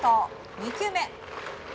２球目